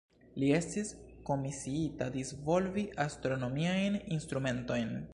Li estis komisiita disvolvi astronomiajn instrumentojn.